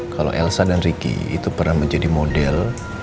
kalau elsa dan ricky itu pernah menjadi model